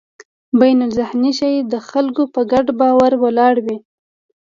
بینالذهني شی د خلکو په ګډ باور ولاړ وي.